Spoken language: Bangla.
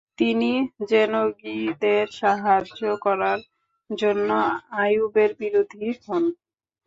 তিনি জেনগিদের সাহায্য করার জন্য আইয়ুবের বিরোধী হন।